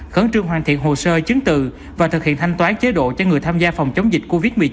khấn trương hoàn thiện hồ sơ chứng từ và thực hiện thanh toán chế độ cho người tham gia phòng chống dịch